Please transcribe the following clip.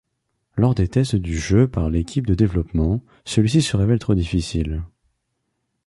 Lors des tests du jeu par l’équipe de développement, celui-ci se révèle trop difficile.